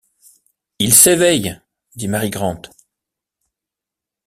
Il s’éveille, » dit Mary Grant.